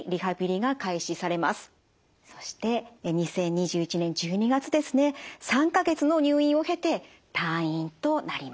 そして２０２１年１２月ですね３か月の入院を経て退院となりました。